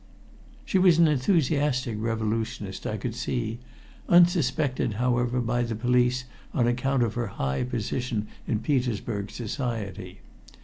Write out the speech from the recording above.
She was an enthusiastic revolutionist, I could see, unsuspected, however, by the police on account of her high position in Petersburg society.